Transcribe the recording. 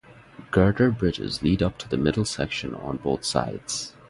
Girder bridges lead up to the middle section on both sides.